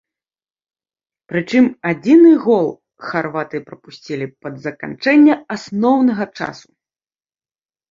Прычым адзіны гол харваты прапусцілі пад заканчэнне асноўнага часу.